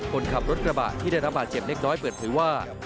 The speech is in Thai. คนขับรถกระบะที่ได้รับบาดเจ็บเล็กน้อยเปิดเผยว่า